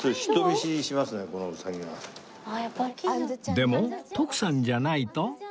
でも徳さんじゃないと